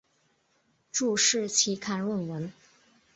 注释期刊论文